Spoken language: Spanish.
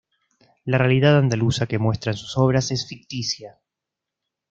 La realidad andaluza que muestra en sus obras es ficticia.